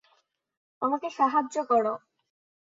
আমাকে সাহায্য কর।